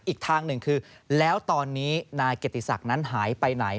อีกทางหนึ่งคือแล้วตอนนี้นายเกียรติศักดิ์นั้นหายไปไหน